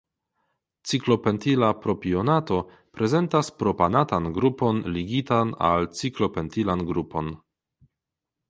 Ciklopentila propionato prezentas propanatan grupon ligitan al ciklopentilan grupon.